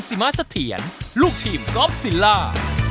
สอนสิมสะเทียนลูกทีมกอล์ฟซิลล่า